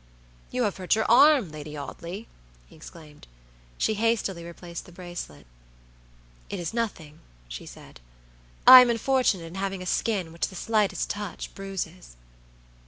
"You have hurt your arm, Lady Audley!" he exclaimed. She hastily replaced the bracelet. "It is nothing," she said. "I am unfortunate in having a skin which the slightest touch bruises."